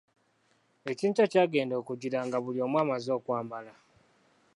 Ekyenkya kyagenda okujjira nga buli omu amazze okwambala.